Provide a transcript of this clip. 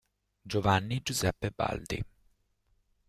Giovanni Giuseppe Baldi